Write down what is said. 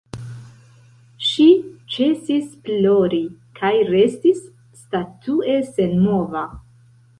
Ŝi ĉesis plori, kaj restis statue senmova.